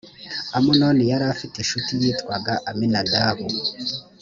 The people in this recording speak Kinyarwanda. amunoni yari afite incuti yitwaga abinadabu